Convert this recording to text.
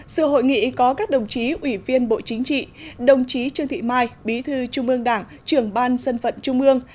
sự hội nghị có các đồng chí ủy viên bộ chính trị đồng chí trương thị mai bí thư trung mương đảng trường ban sân phận trung mương